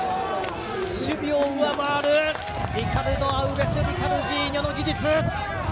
守備を上回るリカルド・アウベスリカルジーニョの技術！